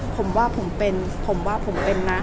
ผมว่าผมเป็นผมว่าผมเป็นนะ